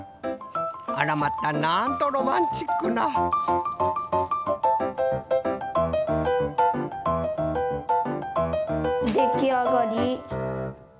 あらまたなんとロマンチックなできあがり。